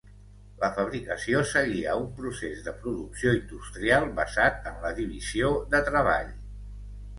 La fabricació seguia un procés de producció industrial basat en la divisió de treball.